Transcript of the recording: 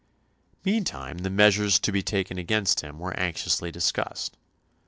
Meantime the measures to be taken against him were anxiously discussed.